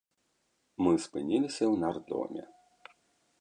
Мы спыніліся ў нардоме.